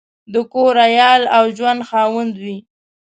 د کور، عیال او ژوند خاوند وي.